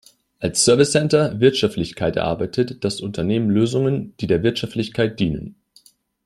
Als Servicecenter Wirtschaftlichkeit erarbeitet das Unternehmen Lösungen, die der Wirtschaftlichkeit dienen.